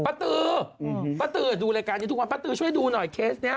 ตือป้าตือดูรายการนี้ทุกวันป้าตือช่วยดูหน่อยเคสนี้